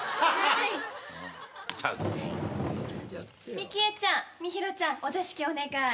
幹恵ちゃんみひろちゃんお座敷お願い。